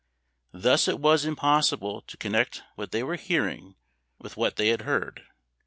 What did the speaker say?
"Thus it was impossible to connect what they were hearing with what they had heard.